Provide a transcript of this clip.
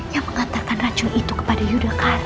yang mengantarkan racun itu kepada yudhakara